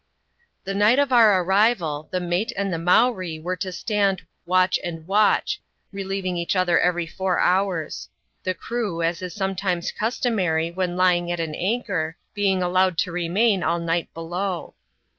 The night of our arrival, the mate and the Mowree were to stand "watch and watch," relieving each other every four hours ; the crew, as is sometimes customary when lying at an anchor, being allowed to remain all night below.